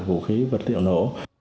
vũ khí vật liệu nổ